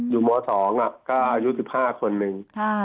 อยู่โมส์๒อ่ะก็รายรูปที่๑๕คนหนึ่ง